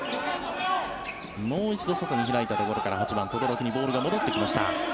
もう一度、外に開いたところから８番、轟にボールが戻ってきました。